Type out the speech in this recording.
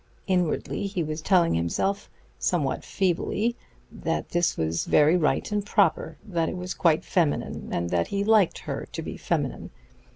Inwardly he was telling himself, somewhat feebly, that this was very right and proper; that it was quite feminine, and that he liked her to be feminine.